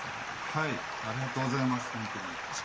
はいありがとうございますホントに。